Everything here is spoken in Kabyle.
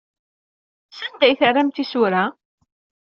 Sanda ay terram tisura?